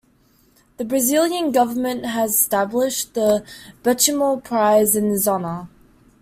The Brazilian government has established the Benchimol prize in his honor.